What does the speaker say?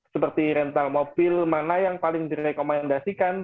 seperti rental mobil mana yang paling direkomendasikan